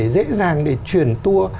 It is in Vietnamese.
dễ dàng để chuyển tour